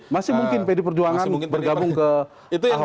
masih mungkin pd perjuangan bergabung ke ahok